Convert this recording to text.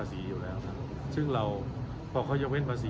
พวกนี้บททุริปที่เข้ามาโดยการยกเว้นภาษี